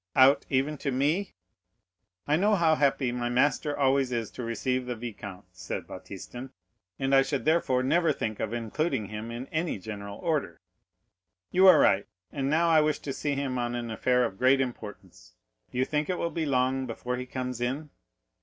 "Out, even to me?" "I know how happy my master always is to receive the vicomte," said Baptistin; "and I should therefore never think of including him in any general order." "You are right; and now I wish to see him on an affair of great importance. Do you think it will be long before he comes in?"